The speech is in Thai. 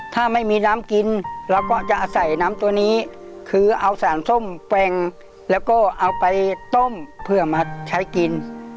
ถ้าไม่มีน้ำกินเราก็จะใส่น้ำตัวนี้คือเอาสารส้มแปลงแล้วก็เอาไปต้มเพื่อมาใช้กิน